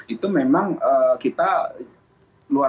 itu memang kita